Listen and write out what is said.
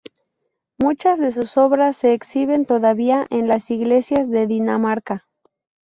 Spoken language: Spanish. Muchas de sus obras se exhiben todavía en las iglesias de Dinamarca.